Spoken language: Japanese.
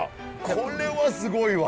これはすごいわ。